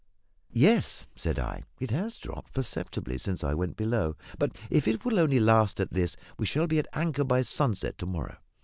"Yes," said I, "it has dropped perceptibly since I went below; but if it will only last at this we shall be at anchor by sunset to morrow."